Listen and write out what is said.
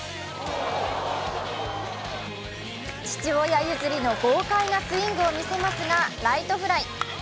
父親譲りの豪快なスイングを見せますがライトフライ。